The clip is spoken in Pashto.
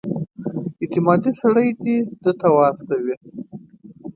اعتمادي سړی دې ده ته واستوي.